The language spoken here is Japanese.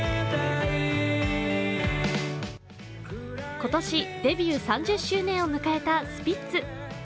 今年デビュー３０周年を迎えたスピッツ。